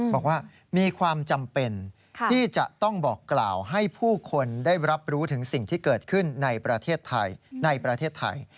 บอกว่ามีความจำเป็นที่จะต้องบอกกล่าวให้ผู้คนได้รับรู้ถึงสิ่งที่เกิดขึ้นในประเทศไทยในประเทศไทย